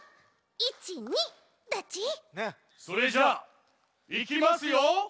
それじゃあいきますよ。